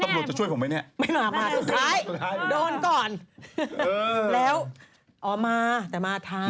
ตำรวจจะช่วยผมไหมเนี่ยไม่มามาสุดท้ายโดนก่อนแล้วอ๋อมาแต่มาท้าย